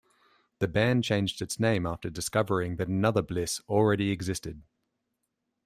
The band changed its name after discovering that another "Blisse" already existed.